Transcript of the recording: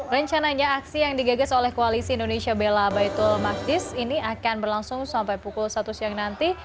rencananya aksi yang digagas oleh koalisi indonesia bela baitul maqdis ini akan berlangsung sampai pukul satu siang nanti